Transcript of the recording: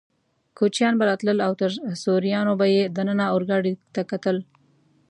کوچنیان به راتلل او تر سوریانو به یې دننه اورګاډي ته کتل.